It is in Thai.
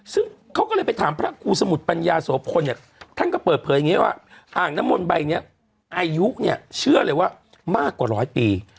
ซึ่งเขาก็เลยไปถามพระครูสมุทรปัญญาโสพลเนี่ยท่านก็เปิดเผยอย่างนี้ว่าอ่างน้ำมนต์ใบนี้อายุเนี่ยเชื่อเลยว่ามากกว่าร้อยปี